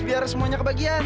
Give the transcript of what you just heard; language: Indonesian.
biar semuanya kebagian